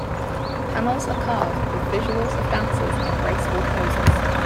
Panels are carved with visuals of dancers in graceful poses.